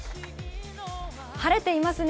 晴れていますね。